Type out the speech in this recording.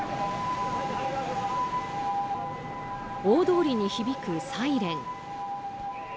大通りに響くサイレン。